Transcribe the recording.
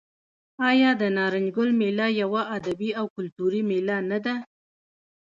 آیا د نارنج ګل میله یوه ادبي او کلتوري میله نه ده؟